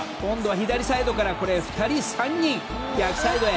左サイドから２人、３人逆サイドへ。